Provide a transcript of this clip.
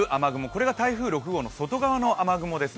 これが台風６号の外側の雨雲です。